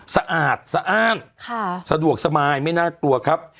สะอาดสะอ้านสะดวกสบายไม่น่ากลัวครับ